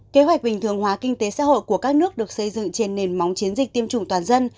kế hoạch bình thường hóa kinh tế xã hội của các nước được xây dựng trên nền móng chiến dịch tiêm chủng toàn dân